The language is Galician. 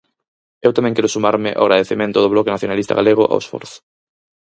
Eu tamén quero sumarme ao agradecemento do Bloque Nacionalista Galego ao esforzo.